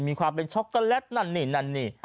มีความเป็นช็อกโกแลตนั่นนี่นั่นนี่